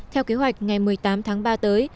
theo kế hoạch ngày một mươi tám tháng ba tới